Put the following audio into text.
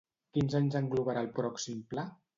Quins anys englobarà el pròxim pla?